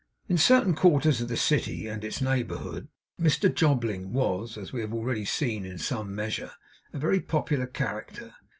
In certain quarters of the City and its neighbourhood, Mr Jobling was, as we have already seen in some measure, a very popular character.